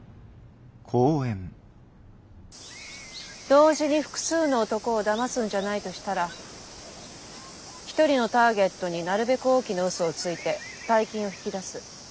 同時に複数の男をだますんじゃないとしたら一人のターゲットになるべく大きなウソをついて大金を引き出す。